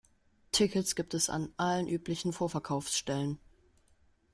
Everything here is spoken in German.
Tickets gibt es an allen üblichen Vorverkaufsstellen.